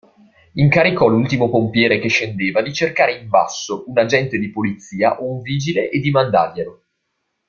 Incaricò l'ultimo pompiere che scendeva di cercare in basso un agente di polizia o un vigile e di mandarglielo.